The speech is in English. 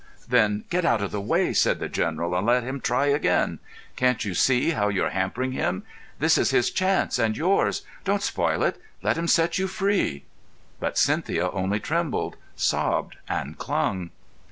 "Then get out of the way," said the General, "and let him try again. Can't you see how you're hampering him? This is his chance and yours. Don't spoil it. Let him set you free." But Cynthia only trembled, sobbed, and clung.